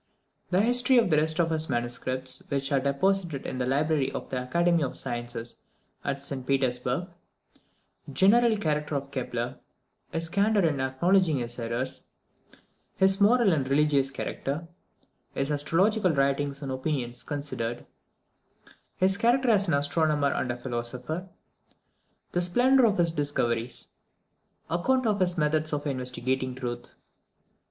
The History of the rest of his Manuscripts, which are deposited in the Library of the Academy of Sciences at St Petersburg General Character of Kepler His Candour in acknowledging his Errors His Moral and Religious Character His Astrological Writings and Opinions considered His Character as an Astronomer and a Philosopher The Splendour of his Discoveries Account of his Methods of Investigating Truth.